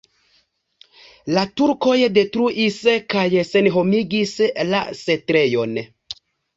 La turkoj detruis kaj senhomigis la setlejon.